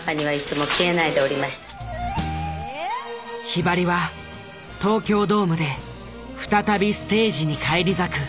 ひばりは東京ドームで再びステージに返り咲く。